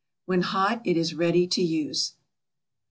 When hot it is ready to use.